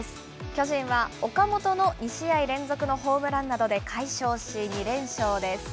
巨人は岡本の２試合連続のホームランなどで快勝し、２連勝です。